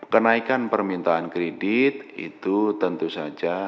kenaikan permintaan kredit itu tentu saja